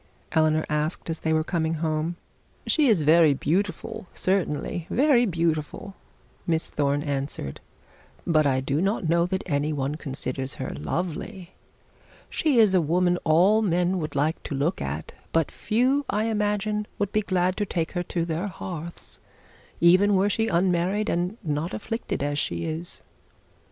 Eleanor asked as they were coming home. 'She is very beautiful certainly, very beautiful,' Miss Thorne answered; 'but I do not know that any one considers her lovely. She is a woman all men would like to look at; but few I imagine would be glad to take her to their hearths, even were she unmarried and not afflicted as she is.'